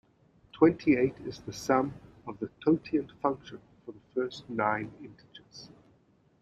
Twenty-eight is the sum of the totient function for the first nine integers.